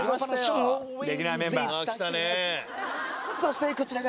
そしてこちらが。